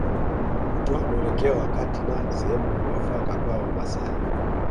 Kutoa mwelekeo wakati na sehemu muafaka kwa Wamaasai